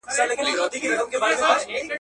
هګۍ د وریښتانو پروټین ساتي.